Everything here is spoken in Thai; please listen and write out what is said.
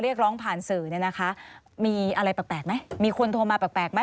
แต่ยังไงเค้าก็เป็นห่วงใช่ไหมห่วงไหมนะ